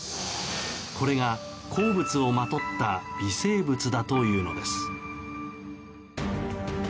これが鉱物をまとった微生物だというのです。